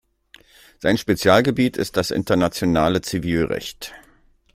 Sein Spezialgebiet ist das internationale Zivilrecht.